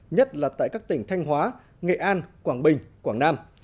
nhất là tại các tỉnh thanh hóa nghệ an quảng bình quảng nam